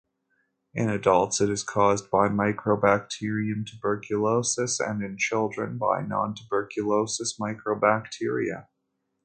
In adults it is caused by "Mycobacterium tuberculosis" and in children by nontuberculous mycobacteria.